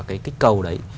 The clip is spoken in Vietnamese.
cái kích cầu đấy